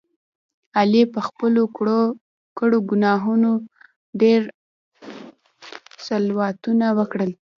علي په خپلو کړو ګناهونو ډېر صلواتونه وکړل.